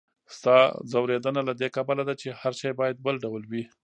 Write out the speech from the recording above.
ستا ځوریدنه له دې کبله ده، چې هر شی باید بل ډول وي.